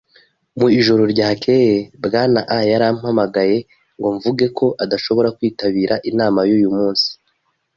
Mu ijoro ryakeye, Bwana A yarampamagaye ngo mvuge ko adashobora kwitabira inama yuyu munsi.